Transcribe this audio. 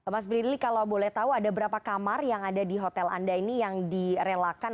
mas brili kalau boleh tahu ada berapa kamar yang ada di hotel anda ini yang direlakan